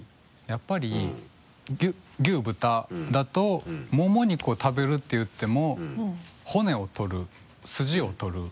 やっぱり牛・豚だとモモ肉を食べるっていっても骨を取るスジを取る。